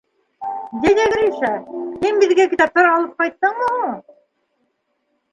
— Дядя Гриша, һин беҙгә китаптар алып ҡайттыңмы һуң?